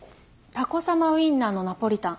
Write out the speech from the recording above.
タコ様ウインナーのナポリタン